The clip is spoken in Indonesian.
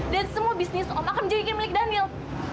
dan semua bisnis om akan dijadikan milik daniel